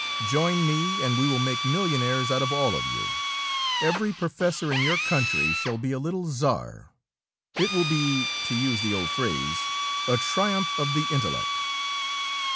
Join me and we will make millionaires out of all of you. Every professor in your country shall be a little czar. It will be, to use the old phrase, a triumph of the intellect."